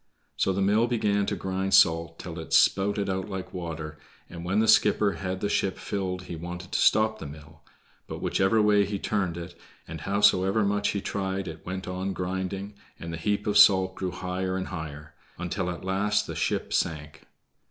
So the mill began to grind salt till it spouted out like water, and when the skipper had the ship filled he wanted to stop the mill, but whichever way he turned it and howsoever much he tried it went on grinding, and the heap of salt grew higher and higher, until at last the ship sank.